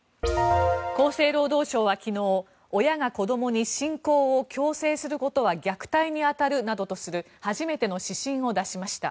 厚生労働省は昨日親が子どもに信仰を強制することは虐待に当たるなどとする初めての指針を出しました。